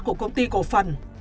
của công ty cổ phần